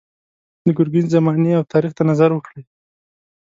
د ګرګین زمانې او تاریخ ته نظر وکړئ.